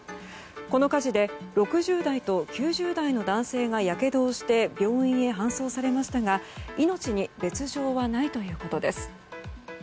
この火事で６０代と９０代の男性がやけどをして病院へ搬送されましたが命に別条はないということです。